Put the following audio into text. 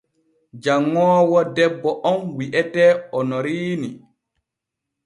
Janŋoowo debbo on wi’etee Onoriini.